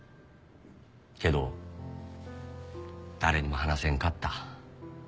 けど誰にも話せんかった。